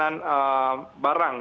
atau tempat penyimpanan barang